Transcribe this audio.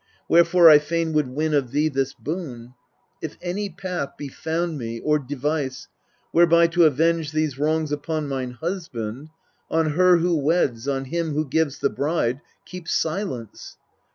Wherefore I fain would win of thee this boon : If any path be found me, or device, Whereby to avenge these wrongs upon mine husband, On her who weds, on him who gives the bride, Keep silence.